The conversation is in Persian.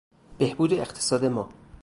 بهبود اقتصاد ما